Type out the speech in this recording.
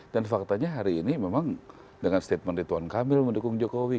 dan faktanya hari ini memang dengan statement dari tuan kamil mendukung jokowi